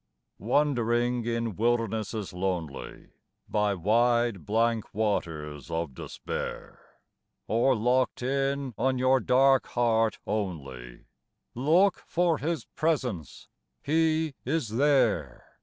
WANDERING in wildernesses lonely, By wide, blank waters of despair, Or locked in on your dark heart only, — Look for His Presence ! He is there